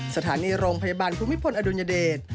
สถานีโรงพยาบาลภูมิพลอดุลยเดช